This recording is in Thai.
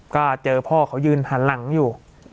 ก็เจอพ่อเขายืนหันหลังอยู่